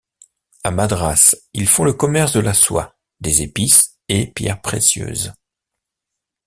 A Madras ils font le commerce de la soie, des épices et pierres précieuses.